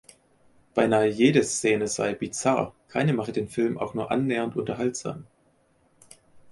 Beinahe jede Szene sei „bizarr“, keine mache den Film auch nur annähernd unterhaltsam.